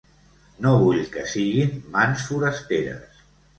No vull que siguin mans forasteres